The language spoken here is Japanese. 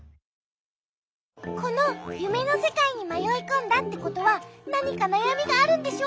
このゆめのせかいにまよいこんだってことはなにかなやみがあるんでしょ？